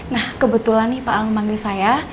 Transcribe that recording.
nah kebetulan nih pak al memanggil saya